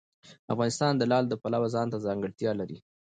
افغانستان د لعل د پلوه ځانته ځانګړتیا لري.